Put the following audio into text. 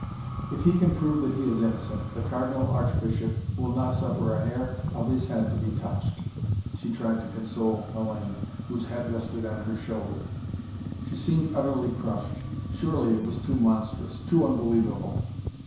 "If he can prove that he is innocent, the Cardinal Archbishop will not suffer a hair of his head to be touched," she tried to console Hellayne whose head rested on her shoulder. She seemed utterly crushed. Surely it was too monstrous too unbelievable.